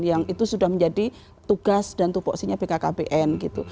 yang itu sudah menjadi tugas dan tupoksinya bkkbn gitu